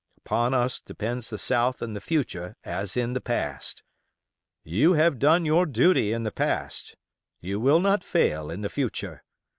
Upon us depends the South in the future as in the past. You have done your duty in the past, you will not fail in the future.